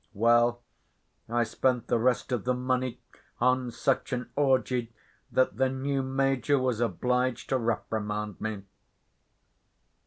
Well, I spent the rest of the money on such an orgy that the new major was obliged to reprimand me.